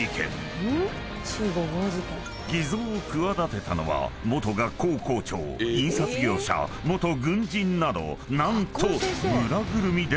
［偽造を企てたのは元学校校長印刷業者元軍人など何と］